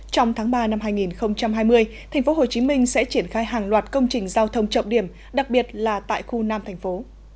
trong tháng ba năm hai nghìn hai mươi tp hcm sẽ triển khai hàng loạt công trình giao thông trọng điểm đặc biệt là tại khu nam thành phố